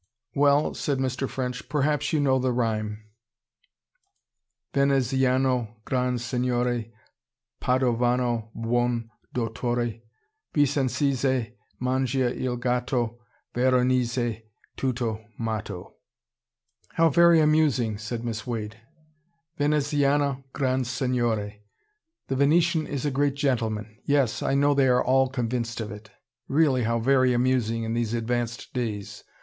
"Well," said Mr. French. "Perhaps you know the rhyme: "'Veneziano gran' Signore Padovano buon' dotore. Vicenzese mangia il gatto Veronese tutto matto '" "How very amusing!" said Miss Wade. "Veneziana gran' Signore. The Venetian is a great gentleman! Yes, I know they are all convinced of it. Really, how very amusing, in these advanced days.